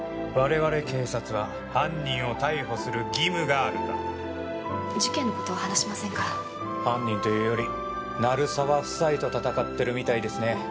我々警察は犯人を逮捕する義務があるんだ事件のことは話しませんから犯人というより鳴沢夫妻と戦ってるみたいですね